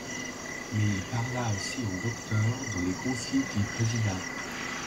Mais il parla aussi en docteur dans les conciles qu'il présida.